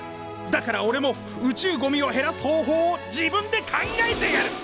だからおれも宇宙ゴミを減らす方法を自分で考えてやる！